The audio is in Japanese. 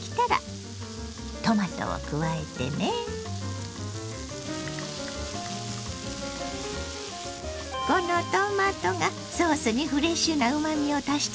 このトマトがソースにフレッシュなうまみを足してくれるのよ。